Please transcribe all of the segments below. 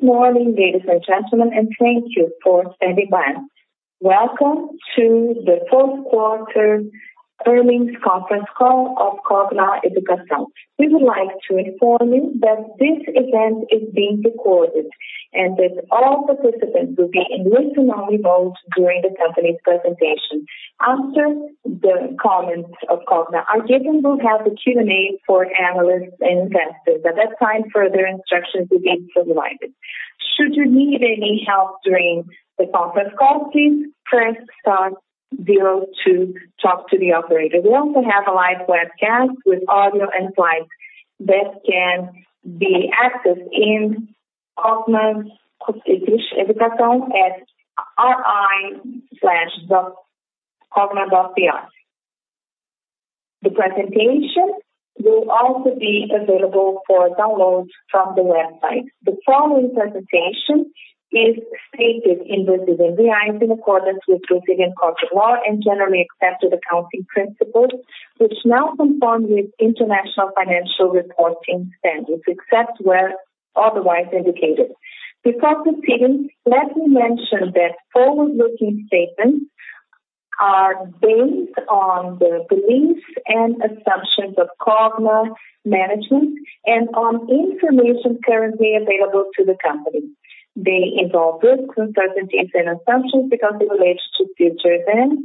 Good morning, ladies and gentlemen. Thank you for standing by. Welcome to the fourth quarter earnings conference call of Cogna Educação. We would like to inform you that this event is being recorded, and that all participants will be in listen-only mode during the company's presentation. After the comments of Cogna, our agent will have a Q&A for analysts and investors. At that time, further instructions will be provided. Should you need any help during the conference call, please press star zero to talk to the operator. We also have a live webcast with audio and slides that can be accessed in Cogna Educação at ir/cogna.br. The presentation will also be available for download from the website. The following presentation is stated in Brazilian reais in accordance with Brazilian corporate law and generally accepted accounting principles, which now conform with International Financial Reporting Standards, except where otherwise indicated. Before proceeding, let me mention that forward-looking statements are based on the beliefs and assumptions of Cogna management and on information currently available to the company. They involve risks, uncertainties, and assumptions because they relate to future events,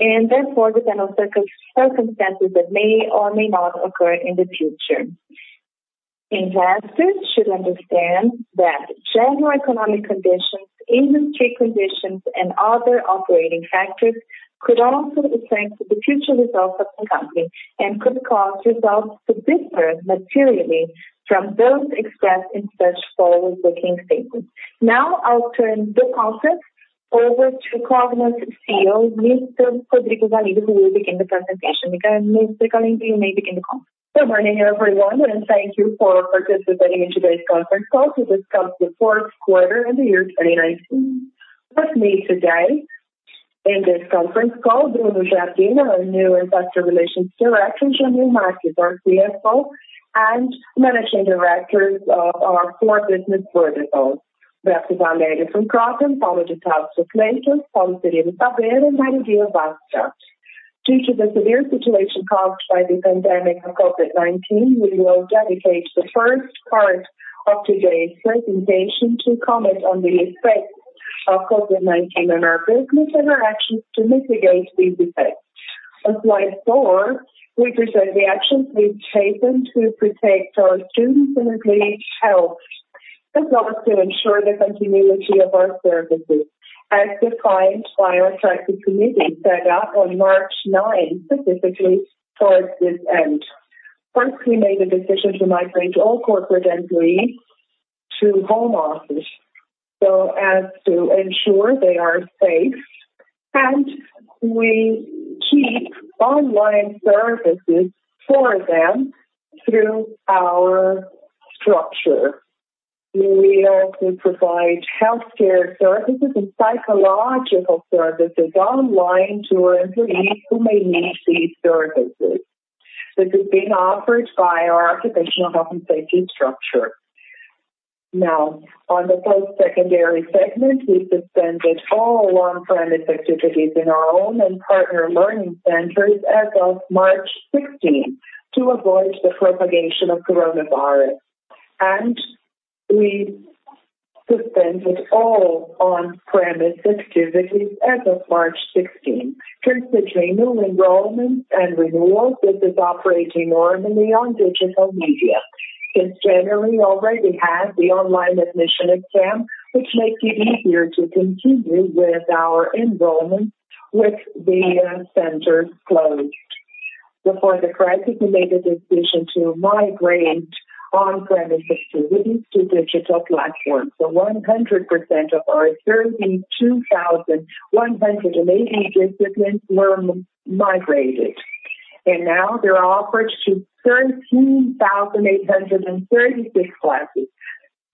and therefore depend on circumstances that may or may not occur in the future. Investors should understand that general economic conditions, industry conditions, and other operating factors could also affect the future results of the company and could cause results to differ materially from those expressed in such forward-looking statements. Now I'll turn the conference over to Cogna's CEO, Mr. Rodrigo Galindo, who will begin the presentation. Again, Mr. Galindo, you may begin the call. Good morning, everyone. Thank you for participating in today's conference call to discuss the fourth quarter of the year 2019. With me today in this conference call, Bruno Jardim, our new Investor Relations Director, Jamil Saud Marques, our CFO, and managing directors of our four business verticals. Beatriz Palmeira from Kroton, Paulo de Tarso from Fleury, Paulo Ceribelli from Saber, Maria Pia Bastos-Tigre Buchheim. Due to the severe situation caused by the pandemic of COVID-19, we will dedicate the first part of today's presentation to comment on the effects of COVID-19 on our business and our actions to mitigate these effects. On slide four, we present the actions we've taken to protect our students and employees' health, as well as to ensure the continuity of our services as defined by our crisis committee set up on March 9th, specifically towards this end. First, we made the decision to migrate all corporate employees to home office so as to ensure they are safe, and we keep online services for them through our structure. We also provide healthcare services and psychological services online to our employees who may need these services. This is being offered by our occupational health and safety structure. Now, on the post-secondary segment, we suspended all on-premise activities in our own and partner learning centers as of March 16th to avoid the propagation of coronavirus. We suspended all on-premise activities as of March 16th. Since the training, enrollment, and renewal business operating normally on digital media. Since January, we already had the online admission exam, which makes it easier to continue with our enrollment with the centers closed. Before the crisis, we made the decision to migrate on-premise activities to digital platforms. 100% of our 32,180 disciplines were migrated. Now they're offered to 13,836 classes.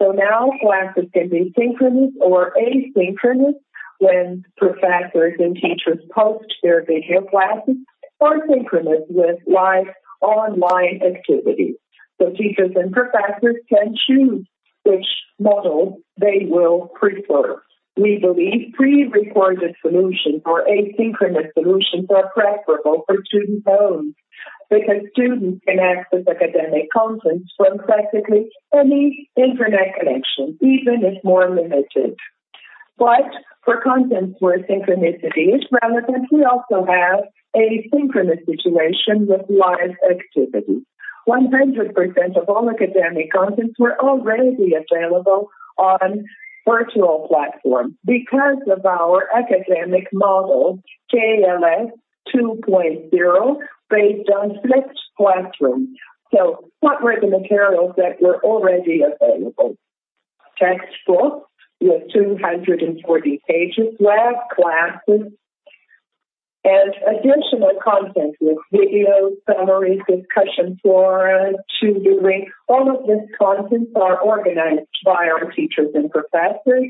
Now classes can be synchronous or asynchronous when professors and teachers post their video classes or synchronous with live online activities. Teachers and professors can choose which model they will prefer. We believe pre-recorded solutions or asynchronous solutions are preferable for student loans because students can access academic content from practically any internet connection, even if more limited. For content where synchronicity is relevant, we also have a synchronous situation with live activities. 100% of all academic contents were already available on virtual platforms because of our academic model, KLS 2.0, based on flipped classrooms. What were the materials that were already available? Textbooks with 240 pages, live classes, and additional content with video summaries, discussion forums, tutoring. All of these contents are organized by our teachers and professors.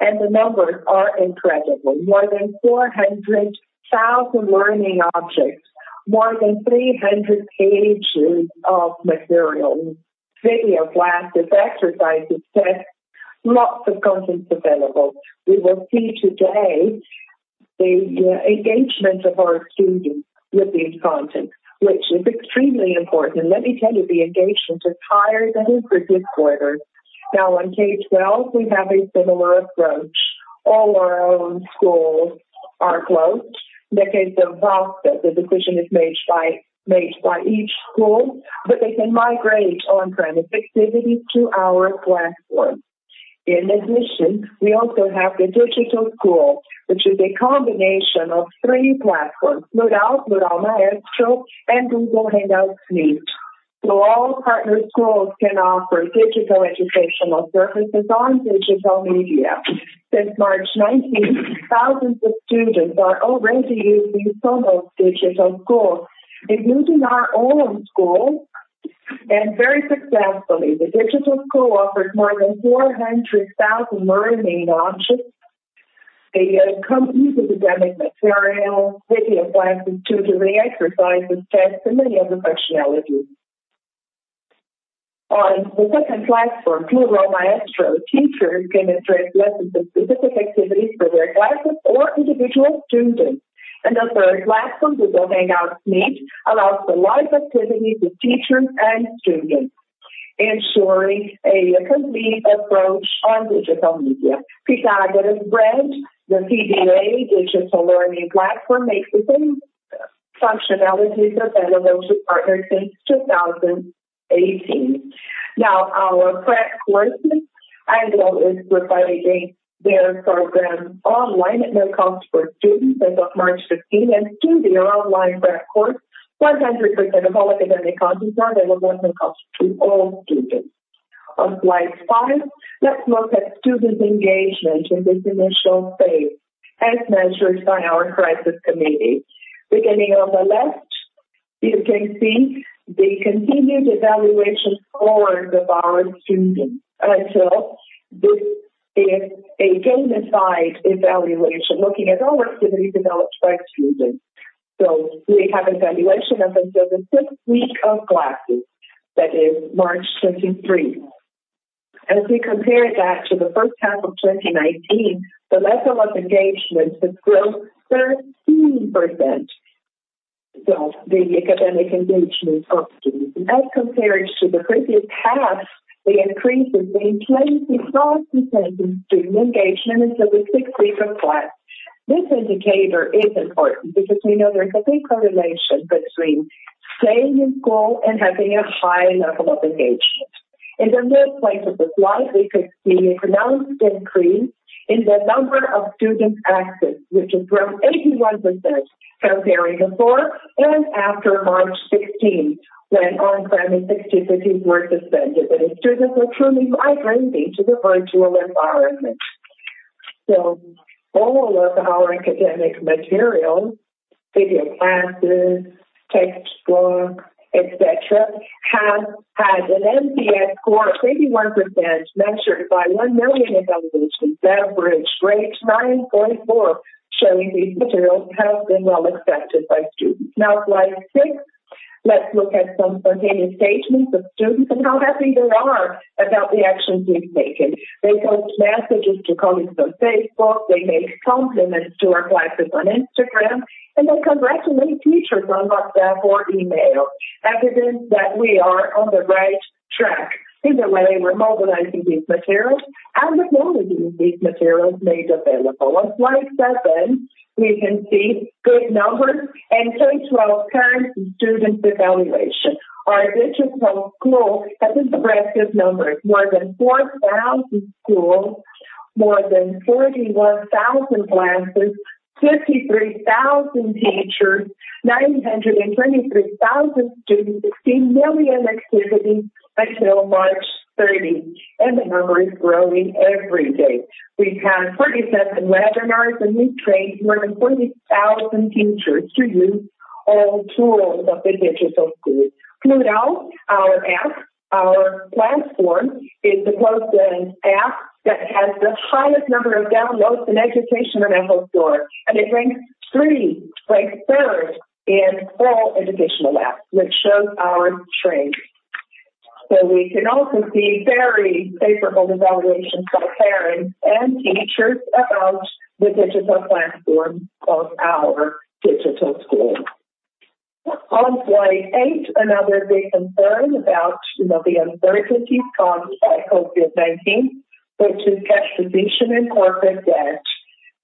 The numbers are incredible. More than 400,000 learning objects, more than 300 pages of material, video classes, exercises, tests, lots of content available. We will see today the engagement of our students with this content, which is extremely important. Let me tell you, the engagement is higher than in previous quarters. On page 12, we have a similar approach. All our own schools are closed. That is the process. The decision is made by each school, but they can migrate on-premise activities to our platform. In addition, we also have the digital school, which is a combination of three platforms, Plurall Maestro, and Google Hangouts Meet. All partner schools can offer digital educational services on digital media. Since March 19th, thousands of students are already using SOMOS Digital School, including our own school, and very successfully. The digital school offers more than 400,000 learning objects, complete academic material, video classes, tutoring exercises, tests, and many other functionalities. On the second platform, Plurall Maestro, teachers can address lessons and specific activities for their classes or individual students. The third platform, Google Hangouts Meet, allows for live activities with teachers and students, ensuring a complete approach on digital media. Pitágoras Brand, the PBA digital learning platform, makes the same functionalities available to partners since 2018. Now, our prep courses, Andrion is providing their program online at no cost for students as of March 15th and through their online prep course, 100% of all academic contents are available at no cost to all students. On slide five, let's look at student engagement in this initial phase, as measured by our crisis committee. Beginning on the left, you can see the continued evaluation score of our students. This is a game and size evaluation, looking at all activity developed by students. We have evaluation as of the fifth week of classes. That is March 23. As we compare that to the first half of 2019, the level of engagement has grown 13%. The academic engagement of students. As compared to the previous half, the increase has been 26% in student engagement as of the fifth week of class. This indicator is important because we know there's a big correlation between staying in school and having a high level of engagement. In the middle slide, we could see a pronounced increase in the number of students active, which has grown 81% comparing before and after March 16th, when on-premise activities were suspended, and students were truly migrating to the virtual environment. All of our academic material, video classes, textbooks, et cetera, has had an NPS score of 81% measured by one million evaluations, average rate 9.4, showing these materials have been well-accepted by students. Slide six, let's look at some spontaneous statements of students and how happy they are about the actions we've taken. They post messages to colleagues on Facebook, they make compliments to our classes on Instagram, and they congratulate teachers on WhatsApp or email, evidence that we are on the right track in the way we're mobilizing these materials and the quality of these materials made available. On slide seven, we can see good numbers and K-12 current student evaluation. Our Digital School has impressive numbers. More than 4,000 schools, more than 41,000 classes, 53,000 teachers, 923,000 students, 16 million activities until March 30. The number is growing every day. We've had 47 webinars, we've trained more than 40,000 teachers to use all tools of the digital school. Plurall, our app, our platform, is the closed app that has the highest number of downloads in education on App Store. It ranks three, like third, in all educational apps, which shows our strength. We can also see very favorable evaluations from parents and teachers about the digital platform of our digital school. On slide eight, another big concern about the uncertainties caused by COVID-19, which is cash position and corporate debt.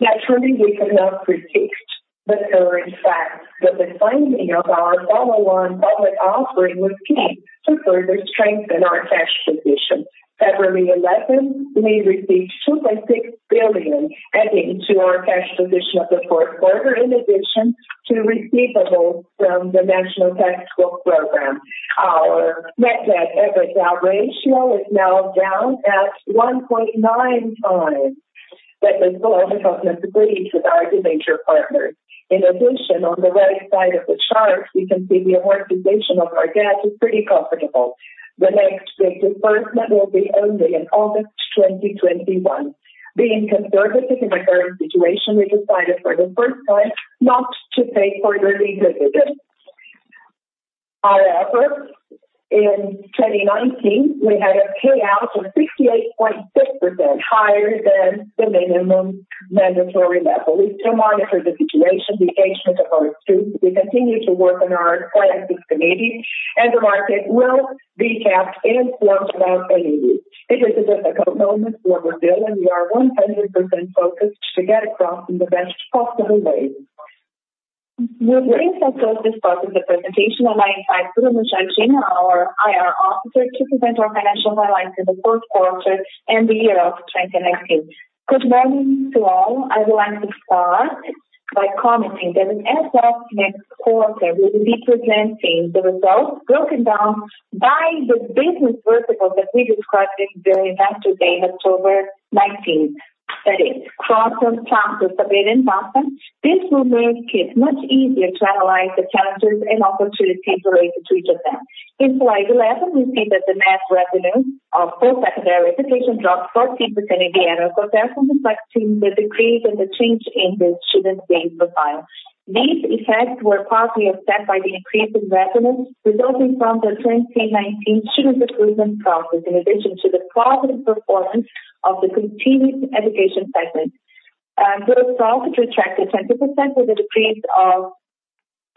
Naturally, we could not predict the current facts, the timing of our follow-on public offering was key to further strengthen our cash position. February 11th, we received 2.6 billion, adding to our cash position of the fourth quarter, in addition to receivables from the National Textbook Program. Our net debt/EBITDA ratio is now down at 1.9x. That was below the covenant agreed with our two major partners. On the right side of the chart, we can see the amortization of our debt is pretty comfortable. The next big disbursement will be only in August 2021. Being conservative in the current situation, we decided for the first time not to pay further dividends. In 2019, we had a payout of 68.6%, higher than the minimum mandatory level. We still monitor the situation with caution, of course, too. We continue to work on our plan with committee, and the market will be kept informed about any news. It is a difficult moment for Brazil, and we are 100% focused to get across in the best possible way. With this, I close this part of the presentation, and I invite Bruno Jardim, our IR officer, to present our financial highlights in the fourth quarter and the year of 2019. Good morning to all. I would like to start by commenting that as of next quarter, we will be presenting the results broken down by the business vertical that we described in the Investor Day, October 19. That is Crosspoint, Campus, Abeille and Boston. This will make it much easier to analyze the challenges and opportunities related to each of them. In slide 11, we see that the net revenue of post-secondary education dropped 14% in the annual comparison, reflecting the decrease in the change in the student base profile. These effects were partly offset by the increase in revenues resulting from the 2019 student recruitment process, in addition to the positive performance of the continuous education segment. Gross profit retracted 10% with a decrease of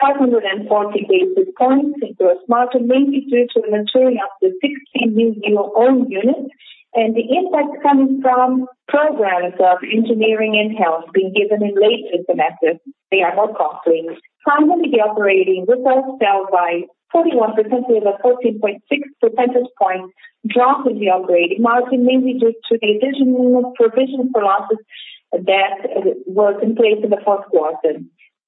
540 basis points into a margin mainly due to the maturing of the 16 new own units and the impact coming from programs of engineering and health being given in later semesters. They are more costly. Finally, the operating results fell by 41% with a 14.6 percentage points drop in the operating margin, mainly due to the additional provision for losses that were in place in the fourth quarter.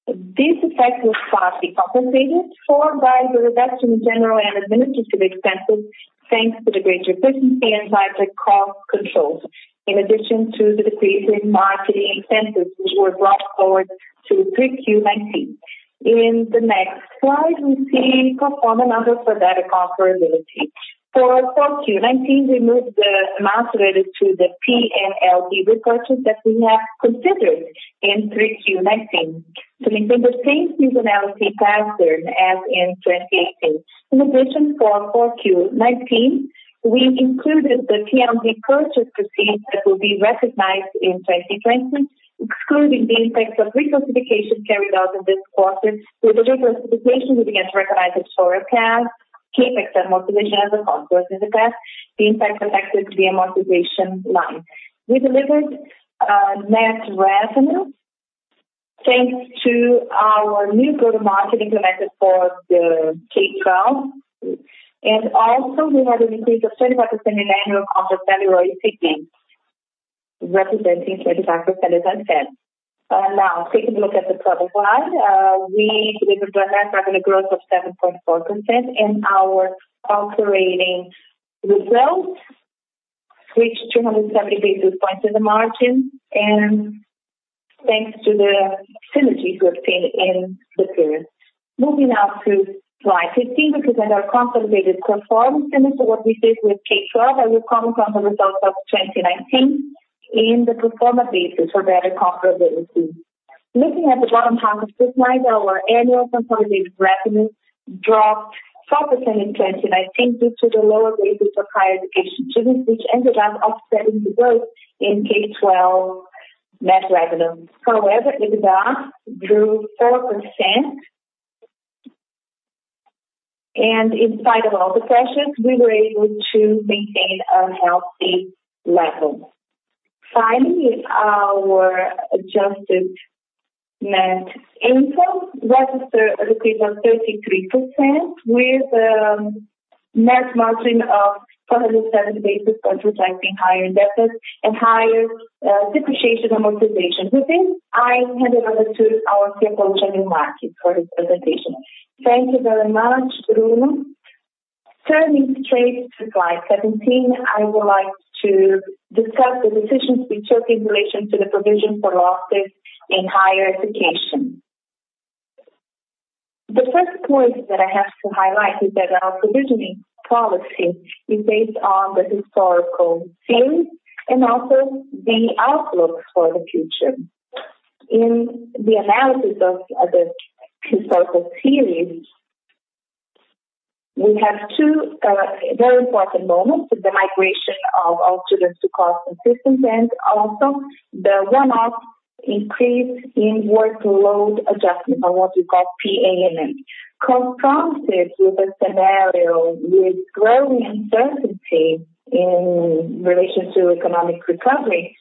This effect was partly compensated for by the reduction in general and administrative expenses, thanks to the greater efficiency and hybrid cost controls, in addition to the decrease in marketing expenses, which were brought forward to 3Q 2019. In the next slide, we see pro forma numbers for better comparability. For 4Q 2019, we moved the amounts related to the PNLE purchases that we have considered in 3Q 2019 to maintain the same seasonality pattern as in 2018. In addition, for 4Q 2019, we included the PNLE purchase proceeds that will be recognized in 2020, excluding the effects of reclassification carried out in this quarter, with the reclassification moving as recognized historic cost, CapEx, and amortization as a consequence of the past. The impact affected the amortization line. We delivered net revenue thanks to our new go-to-market implemented for the K-12, and also we had an increase of 25% in annual contract value or ACV, representing 25% of RevPAR. Now, taking a look at the 12 slide, we delivered a net revenue growth of 7.4%, and our operating results reached 270 basis points in the margin and thanks to the synergies we obtained in the period. Moving now to slide 15, which is on our consolidated performance. Similar to what we did with K12, I will comment on the results of 2019 in the pro forma basis for better comparability. Looking at the bottom half of this slide, our annual consolidated revenue dropped 4% in 2019 due to the lower basis for higher education students, which ended up offsetting the growth in K12 net revenue. EBITDA grew 4%. In spite of all the pressures, we were able to maintain a healthy level. Finally, our adjusted net income registered a decrease of 33%, with a net margin of 407 basis points, reflecting higher debtors and higher depreciation amortization. With this, I hand it over to our CFO, Jamil Marques, for his presentation. Thank you very much, Bruno. Turning straight to slide 17, I would like to discuss the decisions we took in relation to the provision for losses in higher education. The first point that I have to highlight is that our provisioning policy is based on the historical series and also the outlook for the future. In the analysis of the historical series, we have two very important moments: the migration of all students to cost systems and also the one-off increase in workload adjustment, or what we call PANM. Confronted with a scenario with growing uncertainty in relation to economic recovery,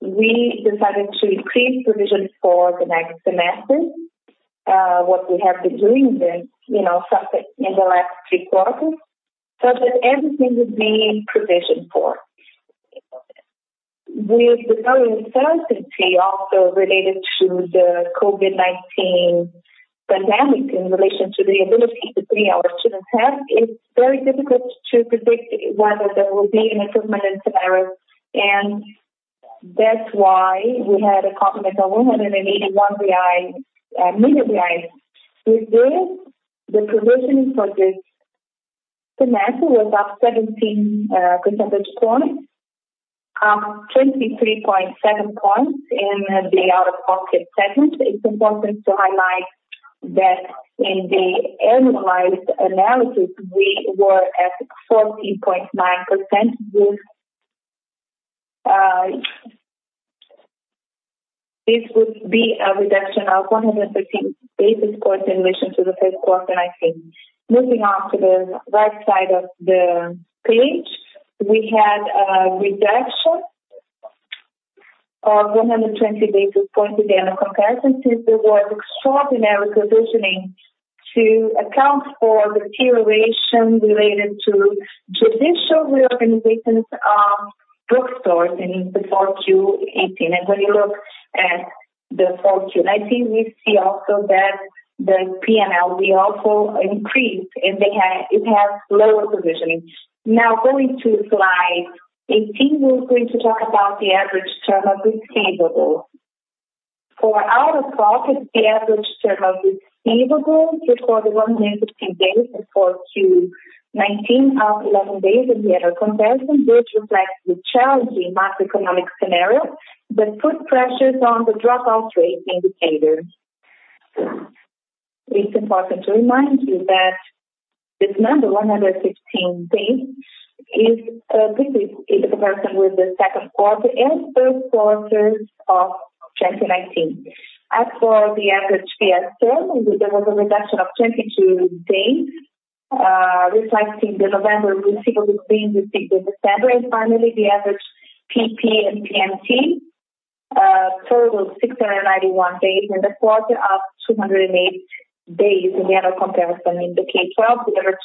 we decided to increase provisions for the next semester, what we have been doing then in the last three quarters, such that everything is being provisioned for. With the growing uncertainty also related to the COVID-19 pandemic in relation to the ability to pay our students have, it's very difficult to predict whether there will be an improvement in scenario, and that's why we had a complimentary 181 million. With this, the provisioning for the net was up 17 percentage points, up 23.7 points in the out-of-pocket segment. It's important to highlight that in the annualized analysis, we were at 14.9% growth. This would be a reduction of 115 basis points in relation to the first quarter, I think. Moving on to the right side of the page, we had a reduction of 120 basis points. Again, a comparison to the work, extraordinary provisioning to account for deterioration related to judicial reorganizations of bookstores in the 4Q 2018. When you look at the 4Q 2019, we see also that the P&L will also increase, and it has lower provisioning. Going to slide 18, we're going to talk about the average term of receivables. For out-of-pocket, the average term of receivables recorded 115 days for 4Q 2019, up 11 days in the year of comparison, which reflects the challenging macroeconomic scenario that put pressures on the dropout rate indicators. It's important to remind you that this number, 115 days, this is in comparison with the second quarter and first quarter of 2019. As for the average FIES, there was a reduction of 22 days, reflecting the November receivables being received in December. Finally, the average PEP and PMT total of 691 days in the quarter, up 208 days in the year of comparison. In the K-12, the average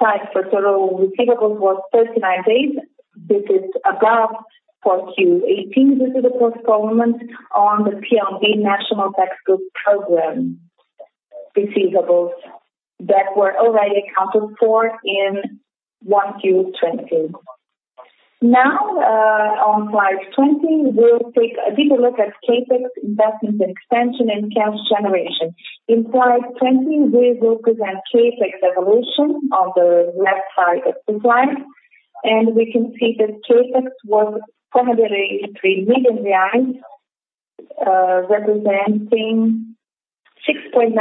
time for total receivables was 39 days. This is above 4Q 2018 due to the postponement on the PNLD national textbook program receivables that were already accounted for in 1Q 2020. Now, on slide 20, we'll take a deeper look at CapEx investments and expansion and cash generation. In slide 20, we will present CapEx evolution on the left side of the slide, and we can see that CapEx was 483 million reais, representing 6.9%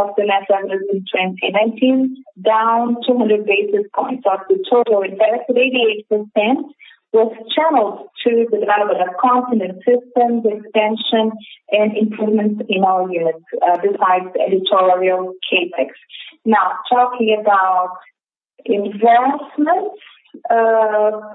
of the net revenue in 2019, down 200 basis points of the total investment. 88% was channeled to the development of content systems expansion and improvements in all units besides editorial CapEx. Now, talking about investments.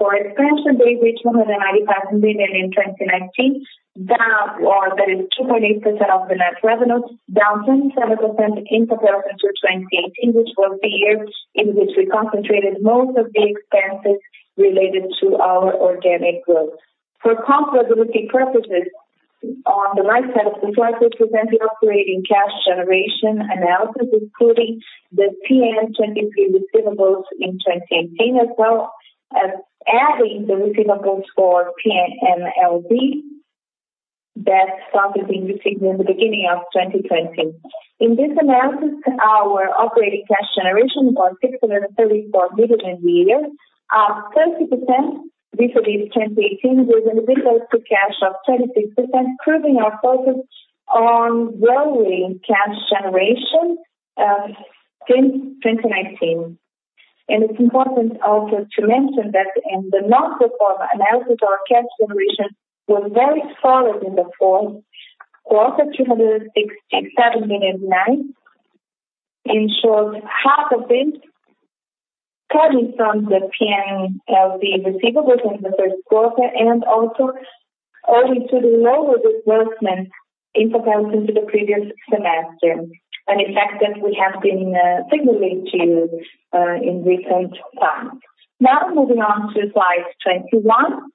For expansion, they reached BRL 295 million in 2019. That is 2.8% of the net revenue, down 27% in comparison to 2018, which was the year in which we concentrated most of the expenses related to our organic growth. For comparability purposes, on the right side of the slide, we present the operating cash generation analysis, including the PNLD receivables in 2018, as well as adding the receivables for PNLD that started being received in the beginning of 2020. In this analysis, our operating cash generation was 634 million year up 30% vis-à-vis 2018 with an EBITDA to cash of 36%, proving our focus on growing cash generation since 2019. It's important also to mention that in the non-recurring analysis, our cash generation was very solid in the fourth quarter, 267.9 million, ensured half of it coming from the PNLD receivables in the first quarter and also owing to the lower disbursement in comparison to the previous semester, an effect that we have been signaling to you in recent times. Moving on to slide 21.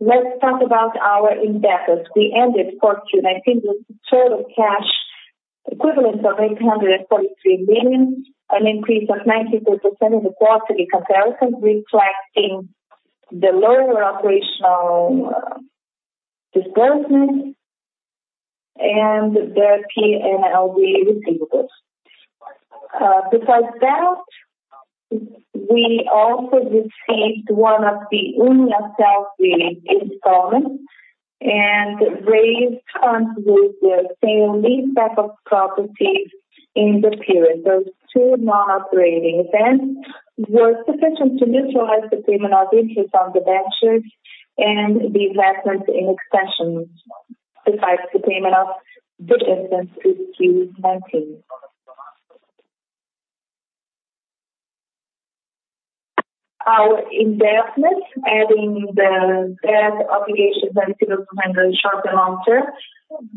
Let's talk about our indebtedness. We ended 4Q 2019 with total cash equivalent of 843 million, an increase of 19% in the quarter in comparison, reflecting the lower operational disbursements and the PNLD receivables. We also received one of the Uniasselvi installations and raised funds with the sale leaseback of properties in the period. Those two non-operating events were sufficient to neutralize the payment of interest on the ventures and the investments in extensions besides the payment of dividends to Q 2019. Our indebtedness, adding the debt obligations and receivables short and long-term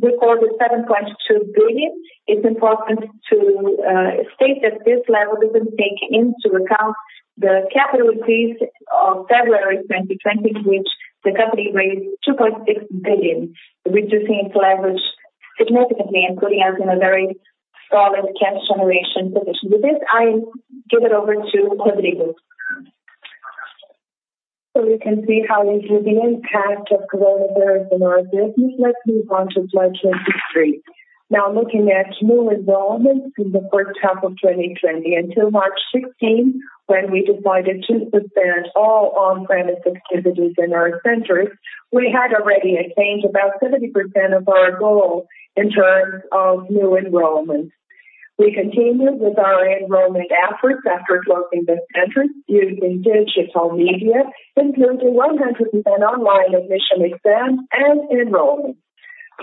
recorded 7.2 billion. It's important to state that this level doesn't take into account the capital increase of February 2020, which the company raised 2.6 billion, reducing its leverage significantly and putting us in a very solid cash generation position. With this, I give it over to Rodrigo. We can see how this is the impact of coronavirus on our business. Let's move on to slide 23. Now looking at new enrollments in the first half of 2020. Until March 16, when we decided to suspend all on-premise activities in our centers, we had already attained about 70% of our goal in terms of new enrollments. We continued with our enrollment efforts after closing the centers using digital media, including 100% online admission exams and enrollment.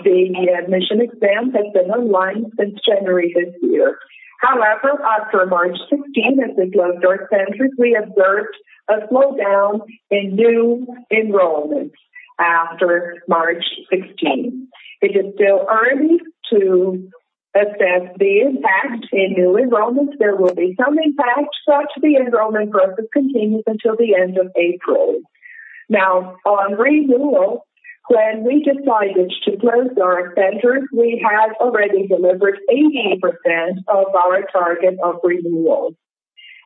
The admission exam has been online since January this year. After March 16, as we closed our centers, we observed a slowdown in new enrollments after March 16. It is still early to assess the impact in new enrollments. There will be some impact, but the enrollment process continues until the end of April. On renewal, when we decided to close our centers, we had already delivered 80% of our target of renewals.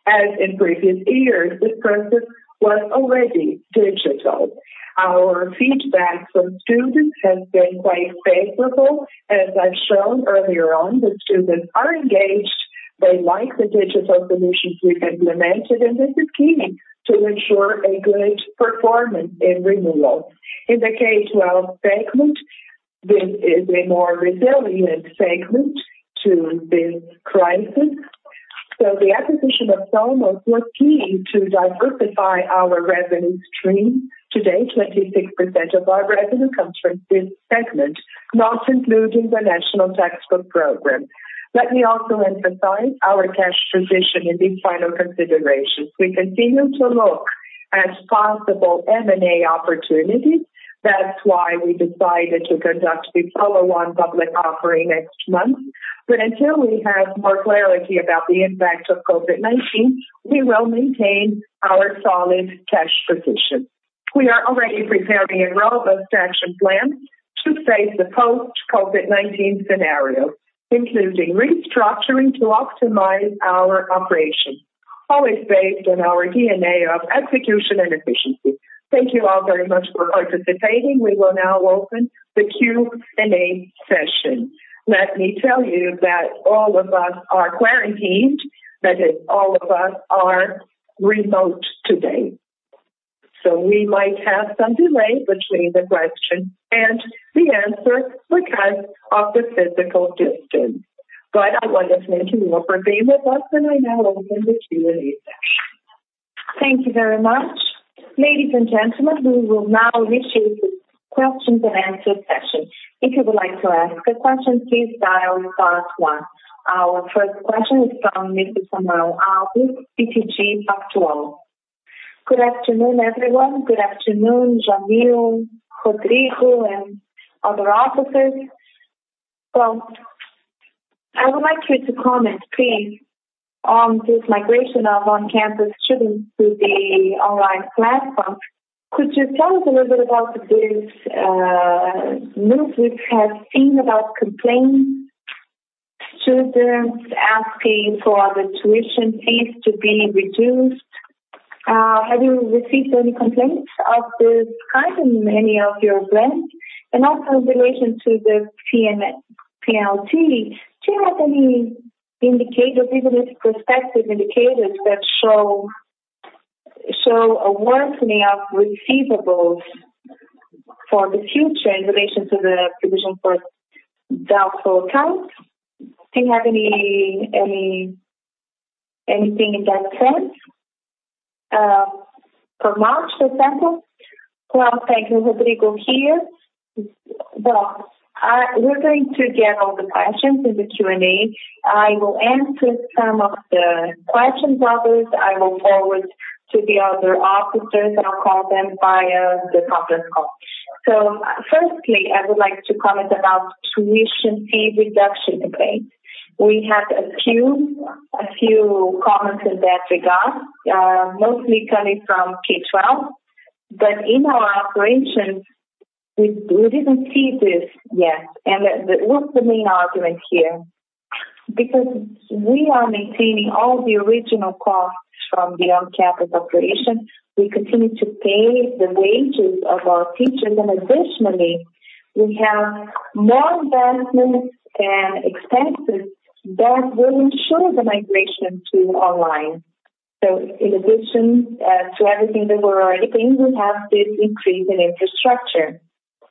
As in previous years, this process was already digital. Our feedback from students has been quite favorable. As I've shown earlier on, the students are engaged. They like the digital solutions we've implemented, and this is key to ensure a good performance in renewal. In the K-12 segment, this is a more resilient segment to this crisis. The acquisition of Somos was key to diversify our revenue stream. Today, 26% of our revenue comes from this segment, not including the National Textbook Program. Let me also emphasize our cash position in these final considerations. We continue to look at possible M&A opportunities. That's why we decided to conduct the follow-on public offering next month. Until we have more clarity about the impact of COVID-19, we will maintain our solid cash position. We are already preparing a robust action plan to face the post-COVID-19 scenario, including restructuring to optimize our operations, always based on our DNA of execution and efficiency. Thank you all very much for participating. We will now open the Q&A session. Let me tell you that all of us are quarantined. That is, all of us are remote today. We might have some delay between the question and the answer because of the physical distance. I want to thank you all for being with us, and I now open the Q&A session. Thank you very much. Ladies and gentlemen, we will now initiate the questions-and-answers session. If you would like to ask a question, please dial star one. Our first question is from Mr. Samuel Alves, BTG Pactual. Good afternoon, everyone. Good afternoon, Jamil, Rodrigo, and other officers. I would like you to comment, please, on this migration of on-campus students to the online platform. Could you tell us a little bit about this move? We have seen about complaints, students asking for the tuition fees to be reduced. Have you received any complaints of this kind in any of your brands? Also in relation to the PDD, do you have any indicators, even if prospective indicators, that show a worsening of receivables for the future in relation to the provision for doubtful accounts? Do you have anything in that sense for March, for example? Thank you, Rodrigo, here. We're going to gather all the questions in the Q&A. I will answer some of the questions. Others I will forward to the other officers, and I'll call them via the conference call. Firstly, I would like to comment about tuition fee reduction complaints. We had a few comments in that regard, mostly coming from K-12. In our operations, we didn't see this yet. What's the main argument here? We are maintaining all the original costs from the on-campus operation. We continue to pay the wages of our teachers. Additionally, we have more investments and expenses that will ensure the migration to online. In addition to everything that we're already paying, we have this increase in infrastructure.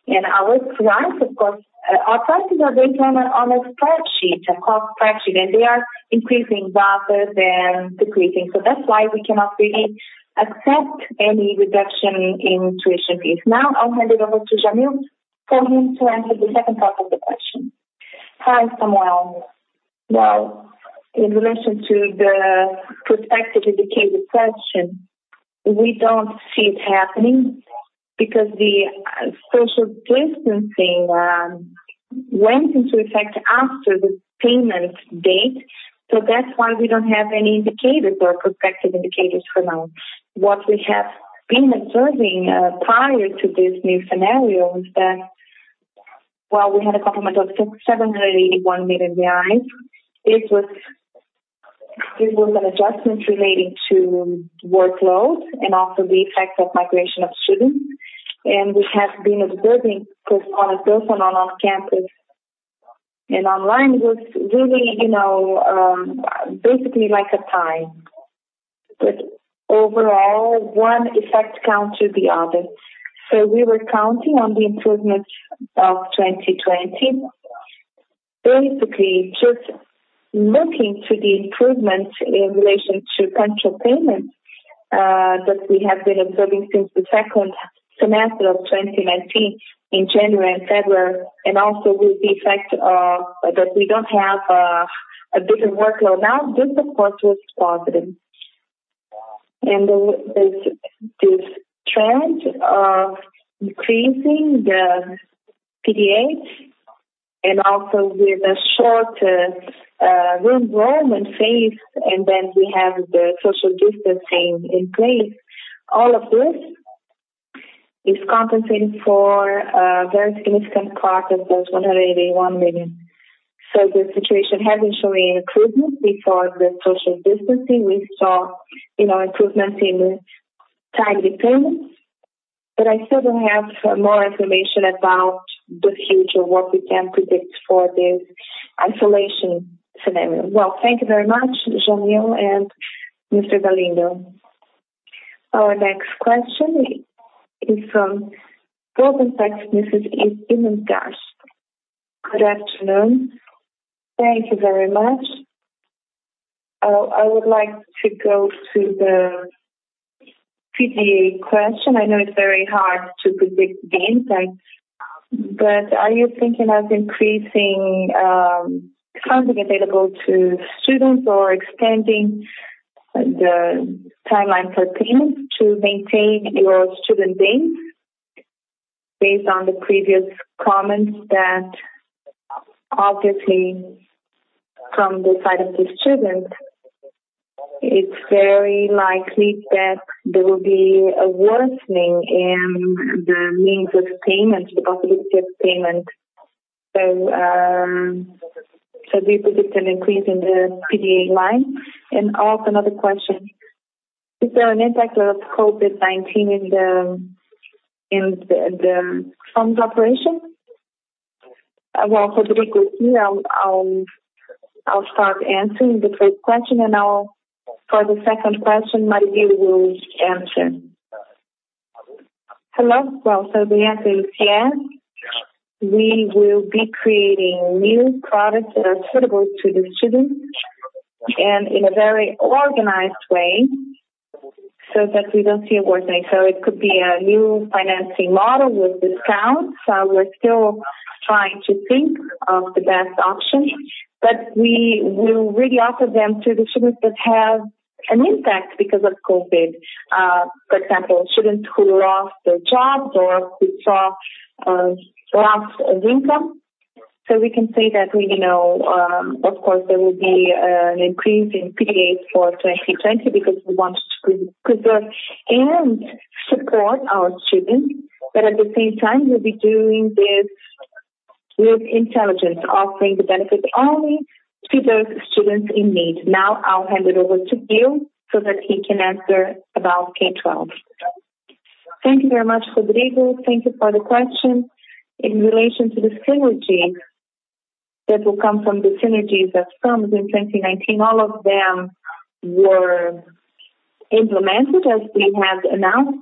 Our prices, of course, our prices are based on a cost price sheet, and they are increasing rather than decreasing. That's why we cannot really accept any reduction in tuition fees. Now, I'll hand it over to Jamil for him to answer the second part of the question. Hi, Samuel. Well, in relation to the prospective indicator question, we don't see it happening because the social distancing went into effect after the payment date. That's why we don't have any indicators or prospective indicators for now. What we have been observing prior to this new scenario is that while we had a complement of 181 million reais, there was an adjustment relating to workload and also the effect of migration of students. We have been observing both on and off campus and online was really basically like a tie. Overall, one effect countered the other. We were counting on the improvements of 2020, basically just looking to the improvements in relation to central payments that we have been observing since the second semester of 2019 in January and February, also with the effect of that we don't have a bigger workload now, this of course, was positive. This trend of increasing the PDA and also with a short re-enrollment phase, then we have the social distancing in place. All of this is compensated for a very significant part of those 181 million. The situation had been showing improvement before the social distancing. We saw improvements in timely payments, I still don't have more information about the future, what we can predict for this isolation scenario. Well, thank you very much, Jamil and Mr. Galindo. Our next question is from Goldman Sachs, Mrs. Imindash. Good afternoon. Thank you very much. I would like to go to the PDD question. I know it's very hard to predict the impact, but are you thinking of increasing funding available to students or extending the timeline for payments to maintain your student base? Based on the previous comments that obviously from the side of the student, it's very likely that there will be a worsening in the means of payment, the possibility of payment. Do you predict an increase in the PDD line? Also another question, is there an impact of COVID-19 in the firm's operation? Rodrigo here. I'll start answering the first question, and for the second question, Maria will answer. Hello. The answer is yes. We will be creating new products that are suitable to the students and in a very organized way so that we don't see a worsening. It could be a new financing model with discounts. We're still trying to think of the best option, but we will really offer them to the students that have an impact because of COVID. For example, students who lost their jobs or who saw a loss of income. We can say that we know, of course, there will be an increase in PDD for 2020 because we want to preserve and support our students. At the same time, we'll be doing this with intelligence, offering the benefits only to those students in need. Now, I'll hand it over to Bill so that he can answer about K-12. Thank you very much, Rodrigo. Thank you for the question. In relation to the synergies that will come from the synergies of firms in 2019, all of them were implemented as we had announced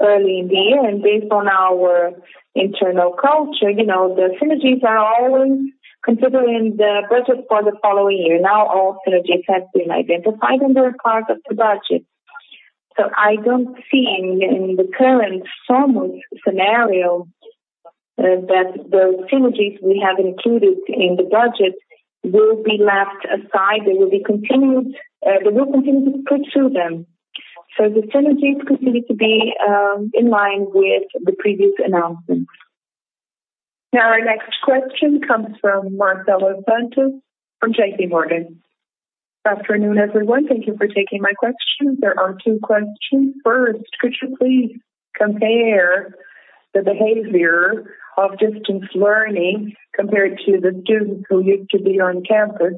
early in the year. Based on our internal culture, the synergies are always considering the budget for the following year. All synergies have been identified under part of the budget. I don't see in the current firm scenario that those synergies we have included in the budget will be left aside. We will continue to pursue them. The synergies continue to be in line with the previous announcements. Our next question comes from Marcelo Santos from JPMorgan. Good afternoon, everyone. Thank you for taking my question. There are two questions. First, could you please compare the behavior of distance learning compared to the students who used to be on campus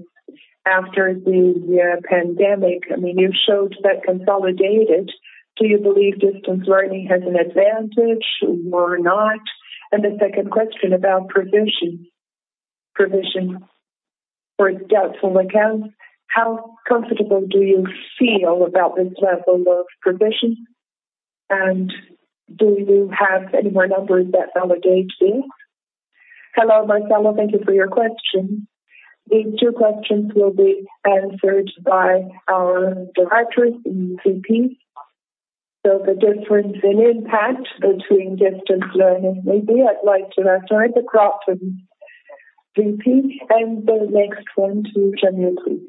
after the pandemic? I mean, you showed that consolidated. Do you believe distance learning has an advantage or not? The second question about provision for doubtful accounts. How comfortable do you feel about this level of provision, and do you have any more numbers that validate this? Hello, Marcelo. Thank you for your question. These two questions will be answered by our directors in VP. The difference in impact between distance learning maybe I'd like to answer the first one, VP, and the next one to Jamil, please.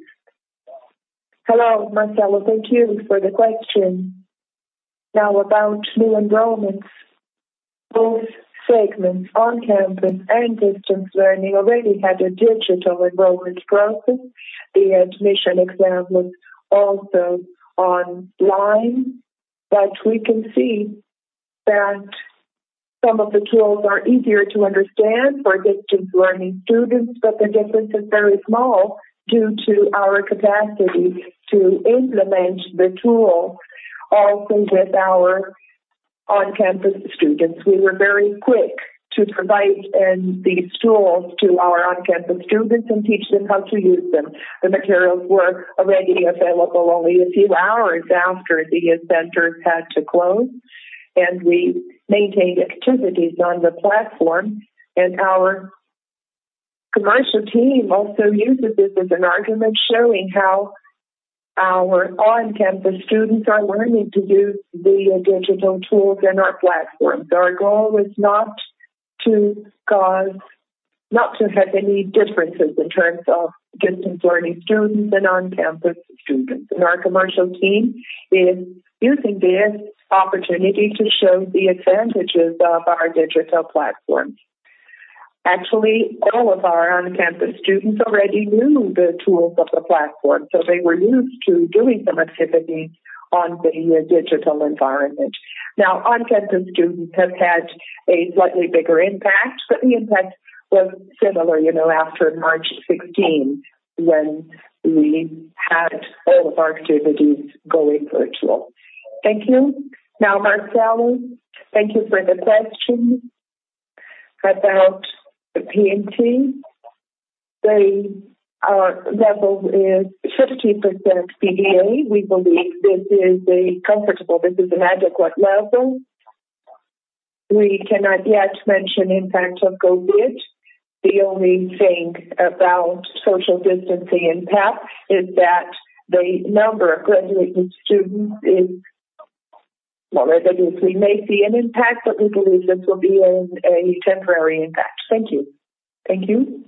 Hello, Marcelo. Thank you for the question. About new enrollments. Both segments on campus and distance learning already had a digital enrollment process. The admission exam was also online, we can see that Some of the tools are easier to understand for distance learning students, but the difference is very small due to our capacity to implement the tool also with our on-campus students. We were very quick to provide these tools to our on-campus students and teach them how to use them. The materials were already available only a few hours after the centers had to close, and we maintained activities on the platform. Our commercial team also uses this as an argument showing how our on-campus students are learning to use the digital tools in our platform. Our goal is not to have any differences in terms of distance learning students and on-campus students. Our commercial team is using this opportunity to show the advantages of our digital platforms. Actually, all of our on-campus students already knew the tools of the platform, so they were used to doing some activities on the digital environment. On-campus students have had a slightly bigger impact, but the impact was similar after March 16, when we had all of our activities going virtual. Thank you. Marcelo, thank you for the question about the PDD. Our level is 15% PDD. We believe this is a comfortable, this is an adequate level. We cannot yet mention impact of COVID-19. The only thing about social distancing impact is that the number of graduated students is more reduced. We may see an impact, we believe this will be a temporary impact. Thank you. Thank you.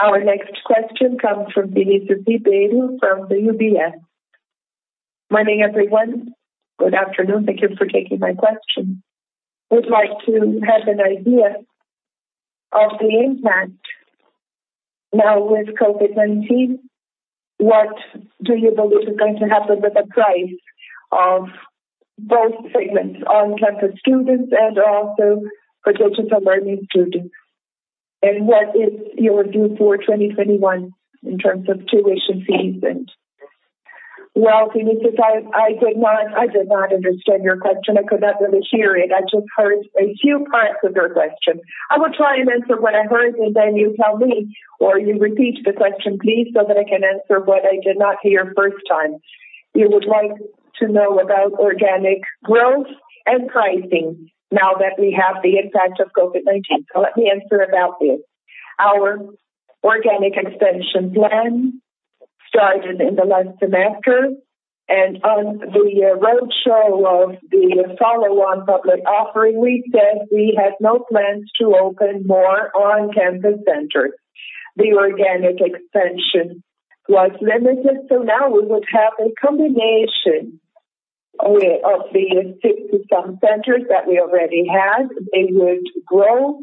Our next question comes from Felicitas Beilu from UBS. Morning, everyone. Good afternoon. Thank you for taking my question. Would like to have an idea of the impact now with COVID-19. What do you believe is going to happen with the price of both segments, on-campus students and also for distance learning students? What is your view for 2021 in terms of tuition fees? Well, Felicitas, I did not understand your question. I could not really hear it. I just heard a few parts of your question. I will try and answer what I heard, and then you tell me, or you repeat the question, please, so that I can answer what I did not hear first time. You would like to know about organic growth and pricing now that we have the impact of COVID-19. Let me answer about this. Our organic expansion plan started in the last semester, and on the roadshow of the follow-on public offering, we said we had no plans to open more on-campus centers. The organic expansion was limited, so now we would have a combination of the 60 some centers that we already have. They would grow,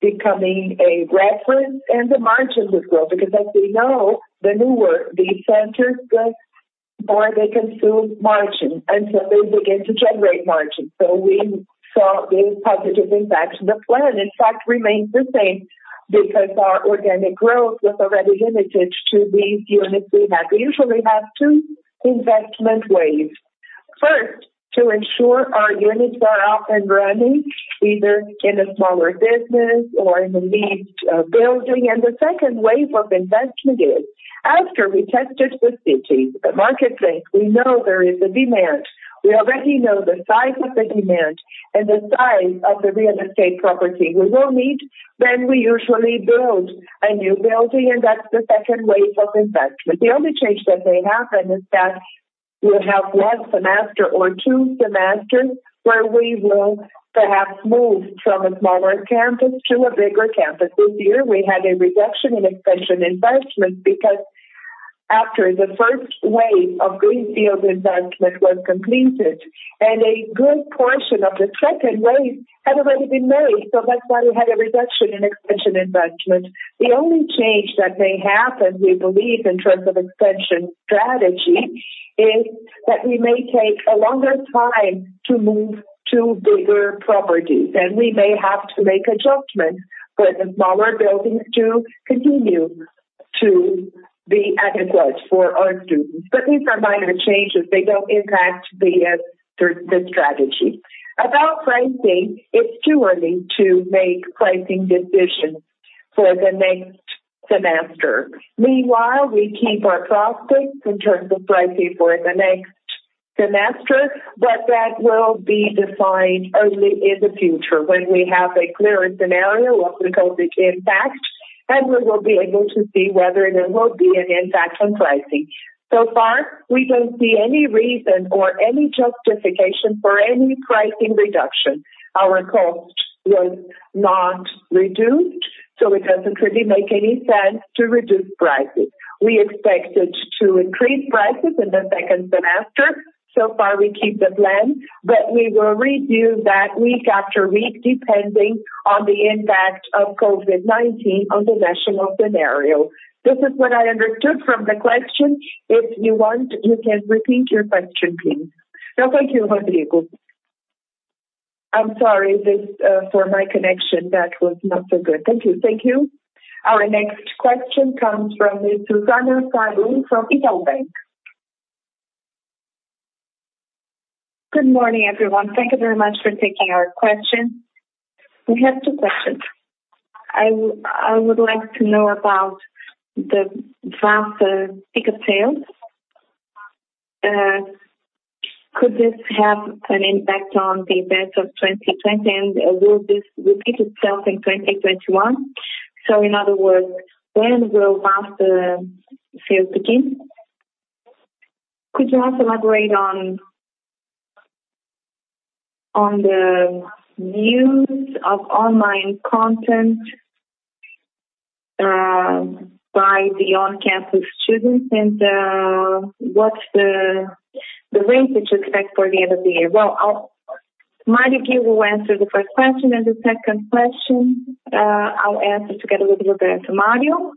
becoming a reference, and the margins would grow, because as we know, the newer these centers grow, the more they consume margin, until they begin to generate margin. We saw the positive impact. The plan, in fact, remains the same because our organic growth was already limited to these units we have. We usually have two investment waves. First, to ensure our units are up and running, either in a smaller business or in a leased building. The second wave of investment is after we tested the city, the market says we know there is a demand. We already know the size of the demand and the size of the real estate property we will need. We usually build a new building, and that's the second wave of investment. The only change that may happen is that we'll have one semester or two semesters where we will perhaps move from a smaller campus to a bigger campus. This year, we had a reduction in expansion investment because after the first wave of greenfield investment was completed and a good portion of the second wave had already been made. That's why we had a reduction in expansion investment. The only change that may happen, we believe, in terms of expansion strategy, is that we may take a longer time to move to bigger properties, and we may have to make adjustments for the smaller buildings to continue to be adequate for our students. These are minor changes. They don't impact the strategy. About pricing, it's too early to make pricing decisions for the next semester. Meanwhile, we keep our prospects in terms of pricing for the next semester, but that will be defined only in the future when we have a clearer scenario of the COVID-19 impact, and we will be able to see whether there will be an impact on pricing. So far, we don't see any reason or any justification for any pricing reduction. Our cost was not reduced, so it doesn't really make any sense to reduce prices. We expected to increase prices in the second semester. Far, we keep the plan, but we will review that week after week, depending on the impact of COVID-19 on the national scenario. This is what I understood from the question. If you want, you can repeat your question, please. No, thank you, Rodrigo. I'm sorry for my connection. That was not so good. Thank you. Our next question comes from Ms. Susana Salum from Itau Bank. Good morning, everyone. Thank you very much for taking our question. We have two questions. I would like to know about the Vasta pickup sales. Could this have an impact on the events of 2020, and will this repeat itself in 2021? In other words, when will Vasta sales begin? Could you also elaborate on the use of online content by the on-campus students, and what's the range that you expect for the end of the year? Well, Mario will answer the first question, and the second question, I'll answer together with Roberto, Mario.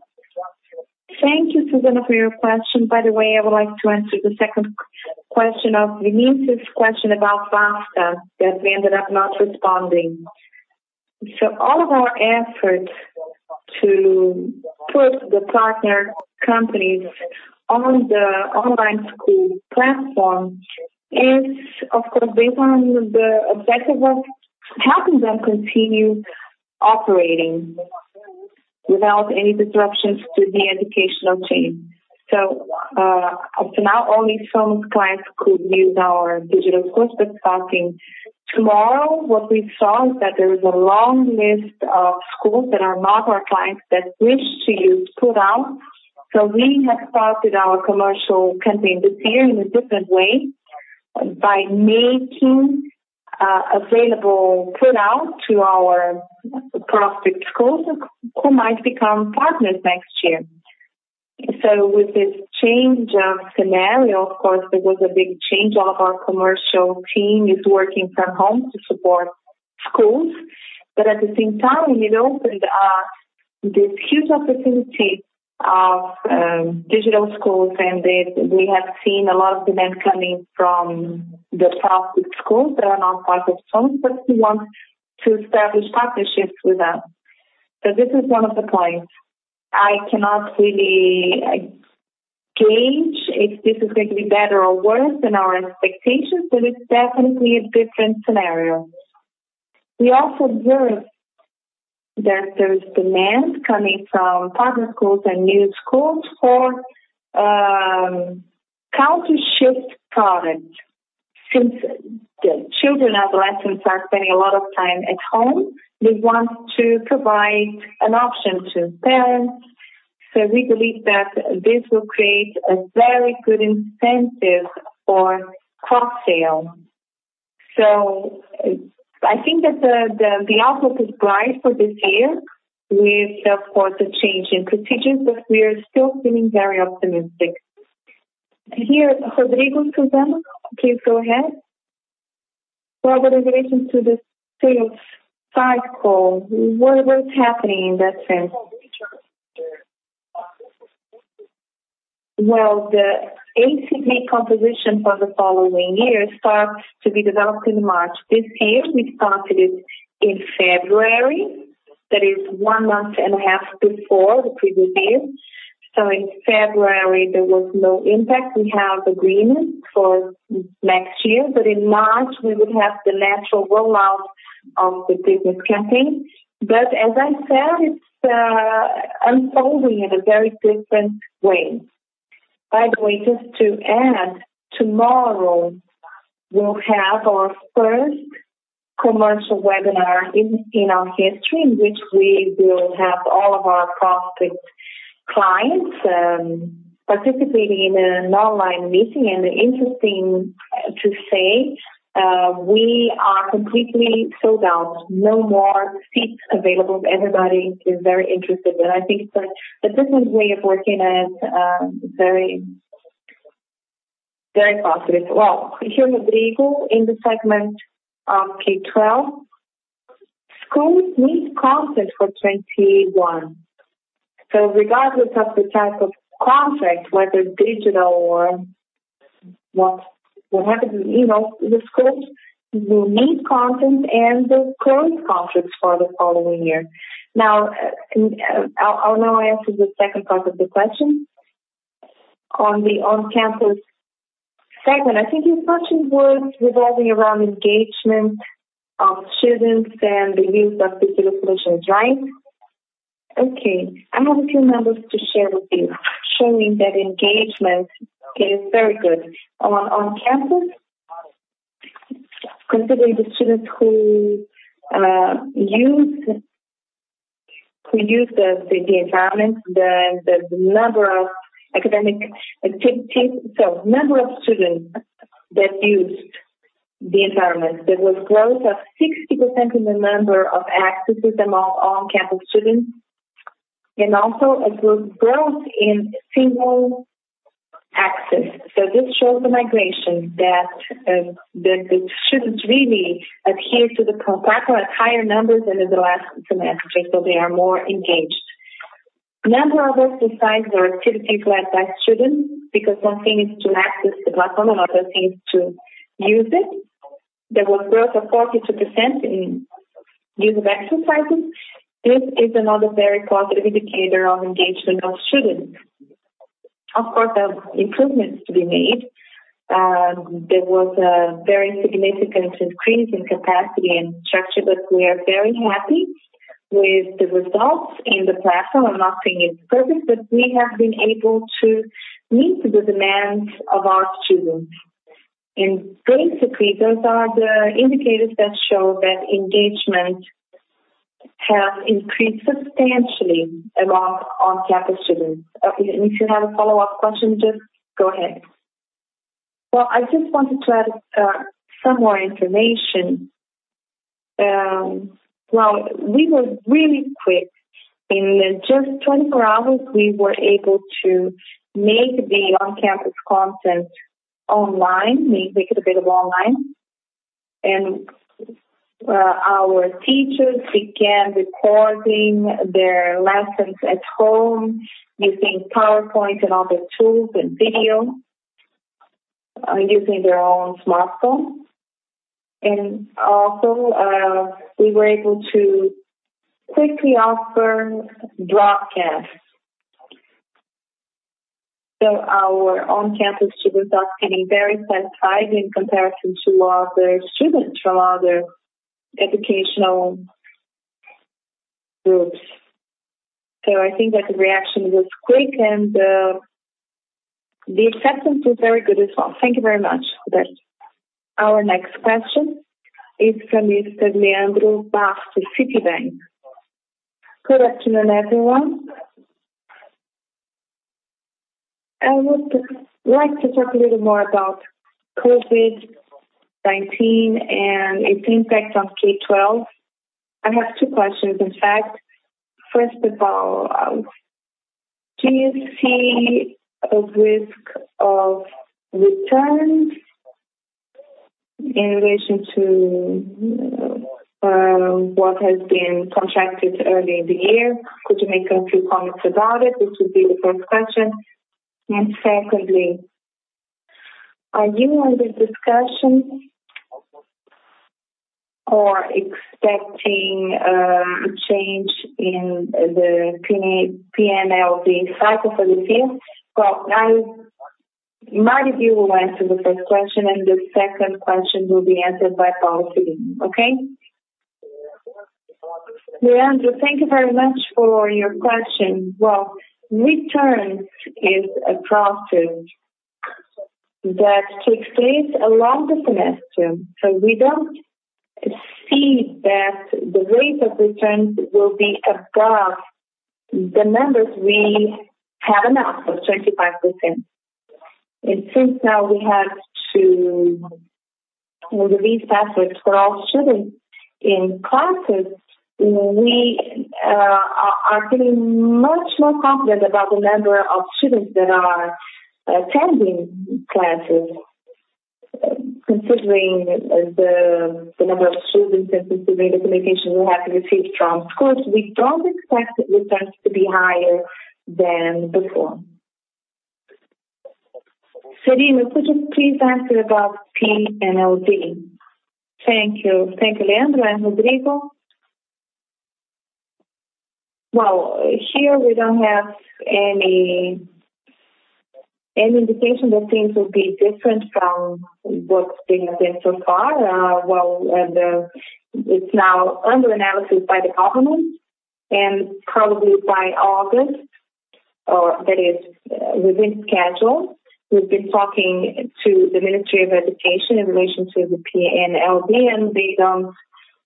Thank you, Susana, for your question. By the way, I would like to answer the second question of Vinicius' question about Vasta, that we ended up not responding. All of our efforts to put the partner companies on the online school platform is, of course, based on the objective of helping them continue operating without any disruptions to the educational chain. Up to now, only some clients could use our digital tools. Starting tomorrow, what we saw is that there is a long list of schools that are not our clients that wish to use Plurall. We have started our commercial campaign this year in a different way by making available Plurall to our prospect schools who might become partners next year. With this change of scenario, of course, there was a big change. All of our commercial team is working from home to support schools. At the same time, it opened this huge opportunity of digital schools, and we have seen a lot of demand coming from the prospect schools that are not part of Somos but who want to establish partnerships with us. This is one of the points. I cannot really gauge if this is going to be better or worse than our expectations, but it is definitely a different scenario. We also observe that there is demand coming from partner schools and new schools for Plurall product. Since the children, adolescents are spending a lot of time at home, we want to provide an option to parents. We believe that this will create a very good incentive for cross-sale. I think that the outlook is bright for this year with, of course, the change in procedures, but we are still feeling very optimistic. Here, Rodrigo, Susana, please go ahead. Well, with relation to the sales cycle, what's happening in that sense? Well, the ACV composition for the following year starts to be developed in March this year. We started it in February. That is one month and a half before the previous year. In February, there was no impact. We have agreements for next year. In March, we would have the natural rollout of the business campaign. As I said, it's unfolding in a very different way. By the way, just to add, tomorrow we'll have our first commercial webinar in our history, in which we will have all of our prospect clients participating in an online meeting. Interesting to say, we are completely sold out. No more seats available. Everybody is very interested. I think the different way of working is very positive. Here, Rodrigo, in the segment of K-12, schools need content for 2021. Regardless of the type of content, whether it's digital or what happens, the schools will need content and they'll close contracts for the following year. I'll now answer the second part of the question. On the on-campus segment, I think your question was revolving around engagement of students and the use of the solution, right? Okay. I have a few numbers to share with you showing that engagement is very good. On campus, considering the students who used the environment, the number of students that used the environment, there was growth of 60% in the number of accesses among on-campus students, and also a growth in single access. This shows the migration that the students really adhered to the platform at higher numbers than in the last semester. They are more engaged. Number of exercises or activities led by students. Because one thing is to access the platform, another thing is to use it. There was a growth of 42% in use of exercises. This is another very positive indicator of engagement of students. Of course, there are improvements to be made. There was a very significant increase in capacity and structure, but we are very happy with the results in the platform. I am not saying it is perfect, but we have been able to meet the demands of our students. Basically, those are the indicators that show that engagement has increased substantially among on-campus students. If you have a follow-up question, just go ahead. I just wanted to add some more information. We were really quick. In just 24 hours, we were able to make the on-campus content online, make it available online. Our teachers began recording their lessons at home using PowerPoint and other tools and video, using their own smartphone. Also, we were able to quickly offer broadcasts. Our on-campus students are feeling very satisfied in comparison to other students from other educational groups. I think that the reaction was quick, and the acceptance was very good as well. Thank you very much for that. Our next question is from Mr. Leandro Bastos from Citibank. Good afternoon, everyone. I would like to talk a little more about COVID-19 and its impact on K-12. I have two questions, in fact. First of all, do you see a risk of returns in relation to what has been contracted early in the year? Could you make a few comments about it? This would be the first question. Secondly, are you in the discussion or expecting a change in the PNLD cycle for this year? Well, Mario will answer the first question, and the second question will be answered by Paula Selim, okay? Leandro, thank you very much for your question. Well, return is a process that takes place along the semester. We don't see that the rate of returns will be above the numbers we have announced of 25%. Since now we have to release tablets for all students in classes, we are feeling much more confident about the number of students that are attending classes. Considering the number of students and considering the communication we have received from schools, we don't expect returns to be higher than before. Selim, could you please answer about PNLD? Thank you. Thank you, Leandro and Rodrigo. Well, here we don't have any indication that things will be different from what they have been so far. Well, it's now under analysis by the government and probably by August, or that is within schedule. We've been talking to the Ministry of Education in relation to the PNLD, and they don't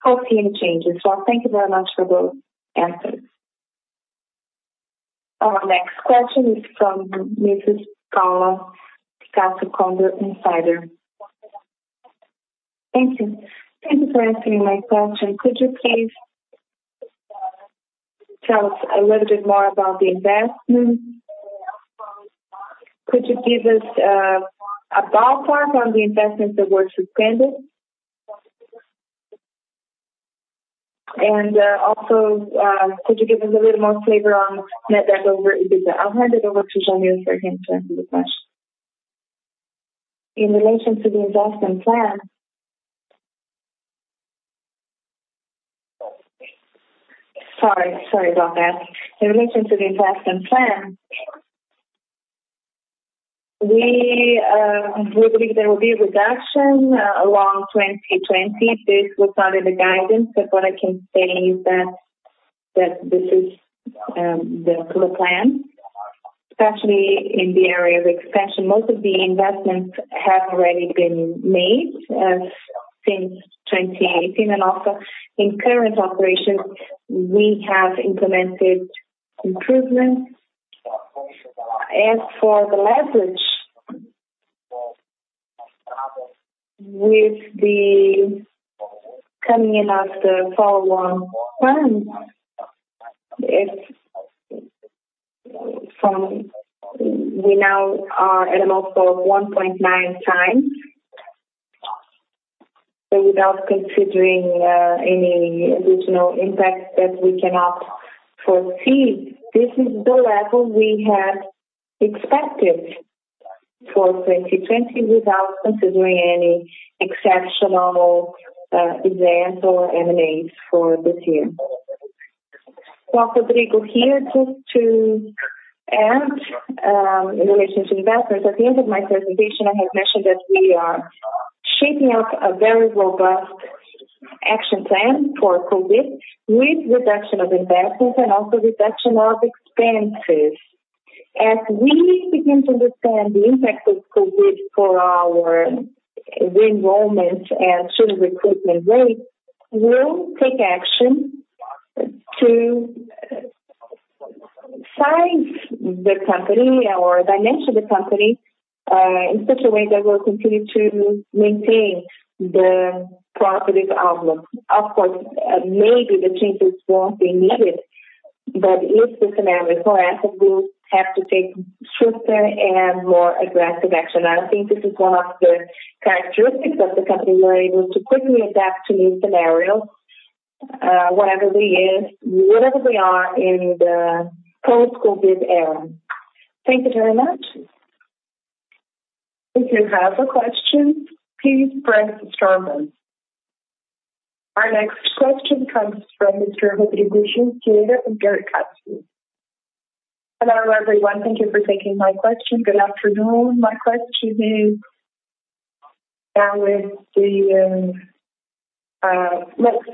foresee any changes. Thank you very much for those answers. Our next question is from Mrs. Paula Picasso, Cobra Insider. Thank you. Thank you for answering my question. Could you please tell us a little bit more about the investment? Could you give us a ballpark on the investments that were suspended? Also, could you give us a little more flavor on net debt over EBITDA? I'll hand it over to Janio for him to answer the question. Sorry about that. In relation to the investment plan, we believe there will be a reduction along 2020. What I can say is that this is the plan, especially in the area of expansion. Most of the investments have already been made since 2018. Also in current operations, we have implemented improvements. As for the leverage, with the coming in of the follow-on plan, we now are at a multiple of 1.9x. Without considering any additional impacts that we cannot foresee, this is the level we had expected for 2020 without considering any exceptional events or M&As for this year. Rodrigo here, just to add in relation to investors, at the end of my presentation, I have mentioned that we are shaping up a very robust action plan for COVID-19 with reduction of investments and also reduction of expenses. As we begin to understand the impact of COVID-19 for our enrollments and student recruitment rate, we will take action to size the company or dimension the company in such a way that we'll continue to maintain the positive outlook. Of course, maybe the changes won't be needed, if the scenario is proactive, we will have to take swifter and more aggressive action. I think this is one of the characteristics of the company. We're able to quickly adapt to new scenarios wherever we are in the post-COVID-19 era. Thank you very much. If you have a question, please press star one. Our next question comes from Mr. Rodrigo Juan from Bradesco BBI. Hello, everyone. Thank you for taking my question. Good afternoon. My question is, let's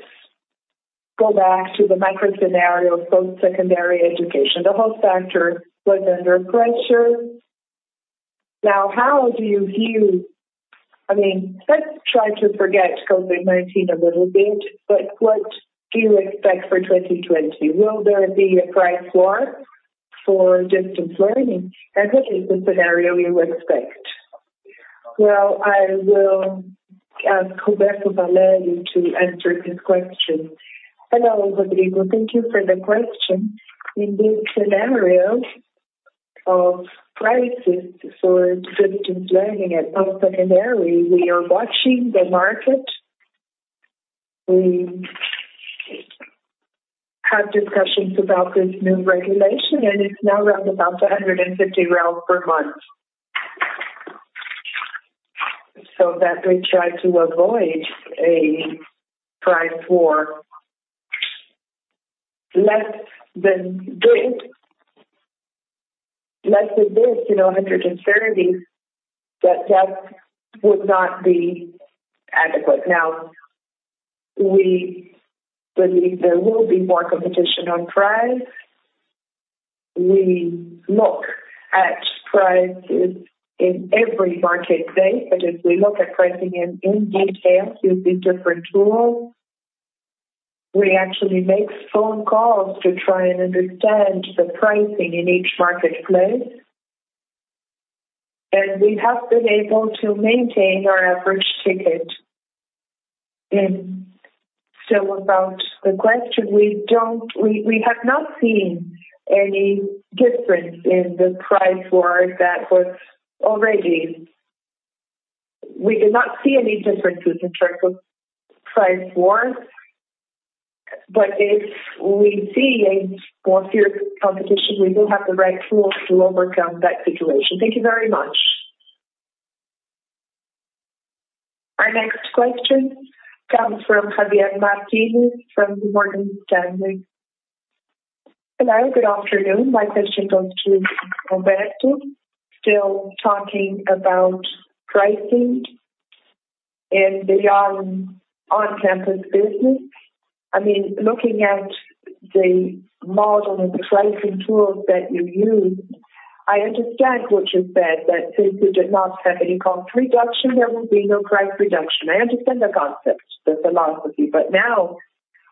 go back to the micro scenario of post-secondary education. The host factor was under pressure. Let's try to forget COVID-19 a little bit, but what do you expect for 2020? Will there be a price war for distance learning? What is the scenario you expect? Well, I will ask Roberto Valério to answer this question. Hello, Rodrigo. Thank you for the question. In this scenario of prices for distance learning at post-secondary, we are watching the market. We have discussions about this new regulation, it's now around about 150 per month. That we try to avoid a price war less than this, 170, that would not be adequate. We believe there will be more competition on price. We look at prices in every marketplace, but if we look at pricing in detail using different tools, we actually make phone calls to try and understand the pricing in each marketplace. We have been able to maintain our average ticket. About the question, we have not seen any difference in the price war that was already. We did not see any differences in terms of price wars. If we see a more fierce competition, we will have the right tools to overcome that situation. Thank you very much. Our next question comes from Javier Martinez from Morgan Stanley. Hello, good afternoon. My question goes to Roberto. Still talking about pricing in the on-campus business. Looking at the model and the pricing tools that you use, I understand what you said, that since we did not have any cost reduction, there will be no price reduction. I understand the concept, the philosophy. Now,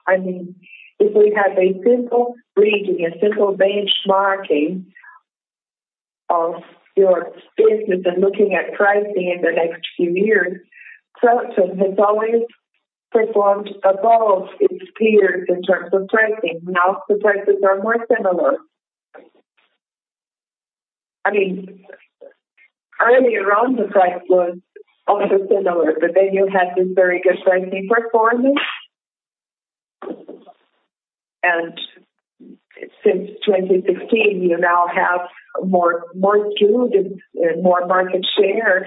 if we have a simple reading, a simple benchmarking of your business and looking at pricing in the next few years, Kroton has always performed above its peers in terms of pricing. Now the prices are more similar. Earlier on, the price was also similar. Then you had this very good pricing performance. Since 2016, you now have more students and more market share.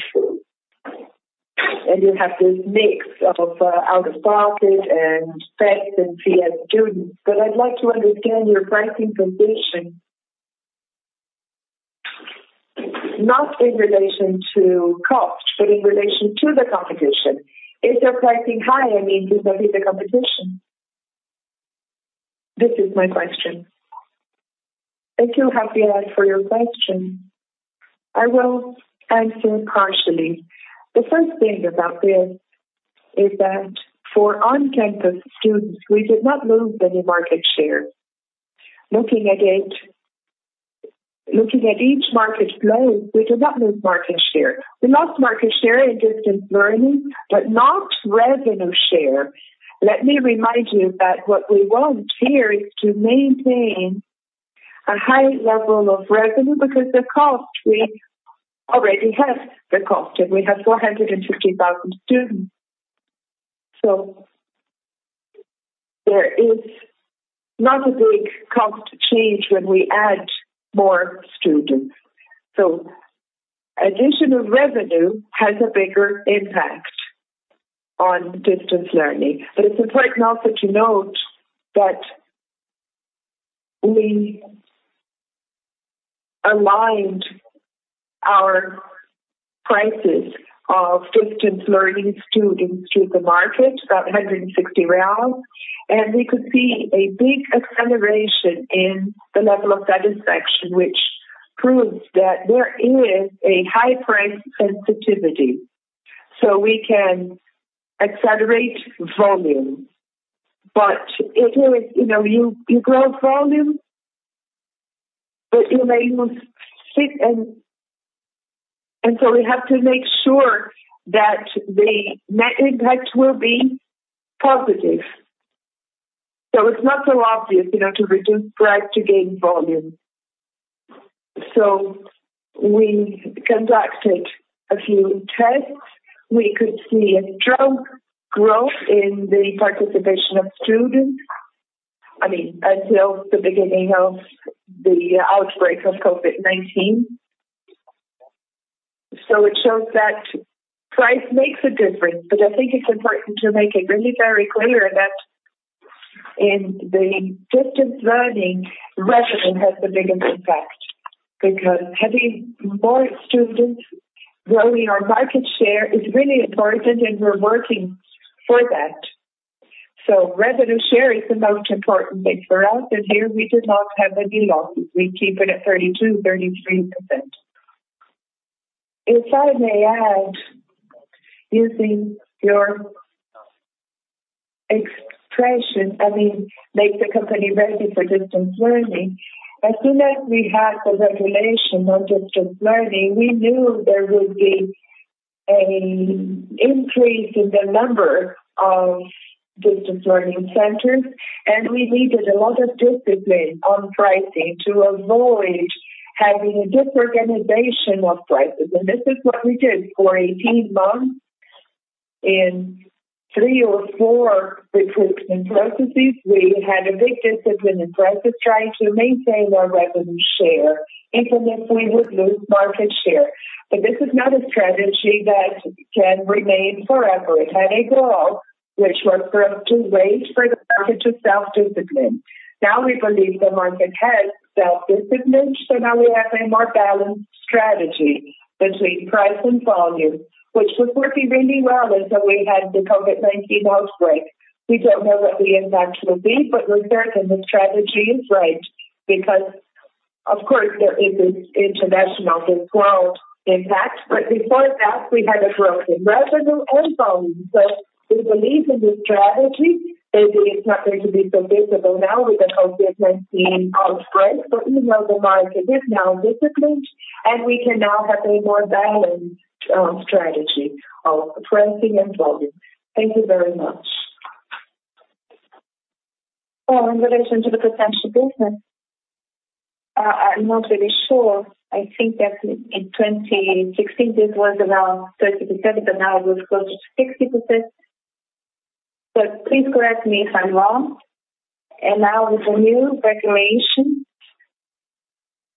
You have this mix of out-of-pocket and FIES and FIES students. I'd like to understand your pricing position, not in relation to cost, but in relation to the competition. If they're pricing high, does that mean the competition? This is my question. Thank you, Javier, for your question. I will answer partially. The first thing about this is that for on-campus students, we did not lose any market share. Looking at each marketplace, we did not lose market share. We lost market share in distance learning, but not revenue share. Let me remind you that what we want here is to maintain a high level of revenue because the cost, we already have the cost, and we have 450,000 students. There is not a big cost change when we add more students. Additional revenue has a bigger impact on distance learning. It is important also to note that we aligned our prices of distance learning students to the market, about 160, and we could see a big acceleration in the level of satisfaction, which proves that there is a high price sensitivity. We can accelerate volume. You grow volume, but you may lose fit, we have to make sure that the net impact will be positive. It's not so obvious to reduce price to gain volume. We conducted a few tests. We could see a strong growth in the participation of students, until the beginning of the outbreak of COVID-19. It shows that price makes a difference. I think it's important to make it really very clear that in the distance learning, revenue has the biggest impact, because having more students, growing our market share is really important, and we're working for that. Revenue share is the most important thing for us, and here we did not have any losses. We keep it at 32%, 33%. If I may add, using your expression, make the company ready for distance learning. As soon as we had the regulation on distance learning, we knew there would be an increase in the number of distance learning centers, and we needed a lot of discipline on pricing to avoid having a disorganization of prices. This is what we did for 18 months. In three or four recruitment processes, we had a big discipline in prices trying to maintain our revenue share, if not, we would lose market share. This is not a strategy that can remain forever. It had a goal, which was for us to wait for the market to self-discipline. We believe the market has self-discipline, so now we have a more balanced strategy between price and volume, which was working really well until we had the COVID-19 outbreak. We don't know what the impact will be, but we're certain the strategy is right because, of course, there is this international, this world impact. Before that, we had a growth in revenue and volume. We believe in this strategy. Maybe it's not going to be so visible now with the COVID-19 outbreak. Even now the market is now disciplined, and we can now have a more balanced strategy of pricing and volume. Thank you very much. Well, in relation to the potential business, I'm not really sure. I think that in 2016, it was around 30%, but now it was closer to 60%. Please correct me if I'm wrong. Now with the new regulation,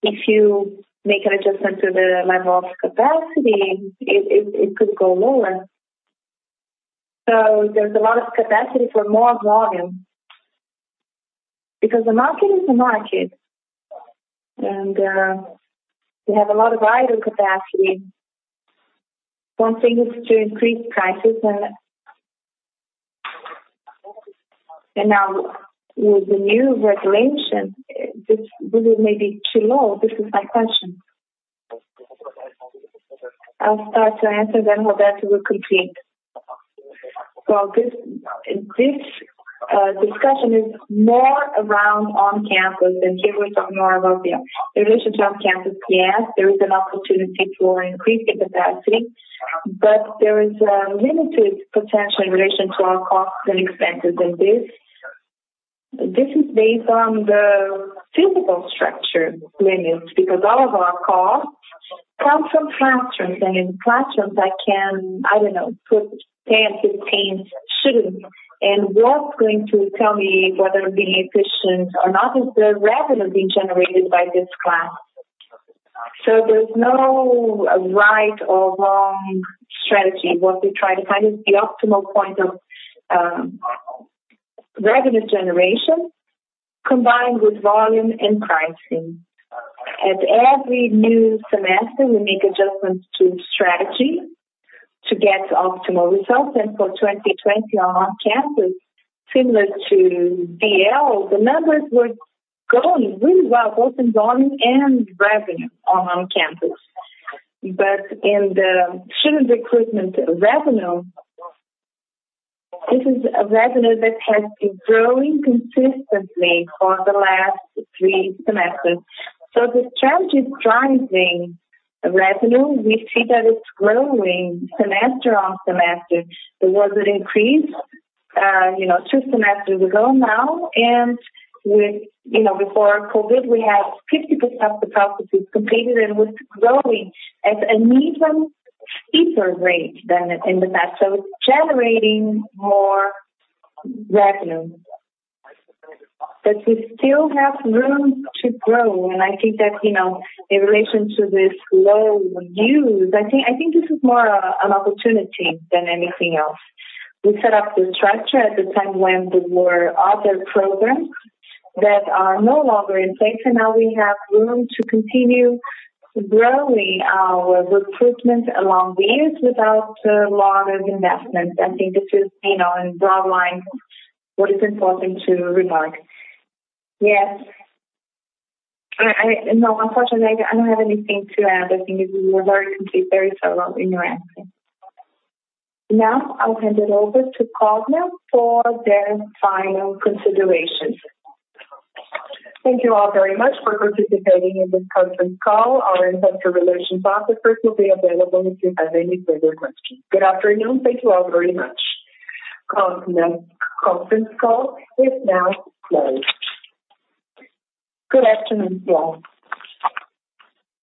if you make an adjustment to the level of capacity, it could go lower. There's a lot of capacity for more volume because the market is a market, and we have a lot of idle capacity. One thing is to increase prices, and now with the new regulation, this will be maybe too low. This is my question. I'll start to answer. Roberto will complete. This discussion is more around on-campus. In relation to on-campus, yes, there is an opportunity for increasing capacity. There is a limited potential in relation to our costs and expenses. This is based on the physical structure limits because all of our costs come from classrooms. In classrooms, I can, I don't know, put 10, 15 students. What's going to tell me whether being efficient or not is the revenue being generated by this class. There's no right or wrong strategy. What we try to find is the optimal point of revenue generation combined with volume and pricing. At every new semester, we make adjustments to strategy to get optimal results. For 2020 on-campus, similar to DL, the numbers were going really well, both in volume and revenue on on-campus. In the student recruitment revenue, this is a revenue that has been growing consistently for the last three semesters. The strategy is driving revenue. We see that it's growing semester on semester. There was an increase two semesters ago now, and before COVID-19, we had 50% of the processes completed and was growing at an even steeper rate than in the past. It's generating more revenue. We still have room to grow. I think that in relation to this low use, I think this is more an opportunity than anything else. We set up the structure at the time when there were other programs that are no longer in place. Now we have room to continue growing our recruitment along these without a lot of investments. I think this is in broad lines what is important to remark. Yes. No, unfortunately, I don't have anything to add. I think you were very complete, very thorough in your answer. I'll hand it over to Cogna for their final considerations. Thank you all very much for participating in this conference call. Our investor relations officers will be available if you have any further questions. Good afternoon. Thank you all very much. Cogna conference call is now closed. Good afternoon to you all.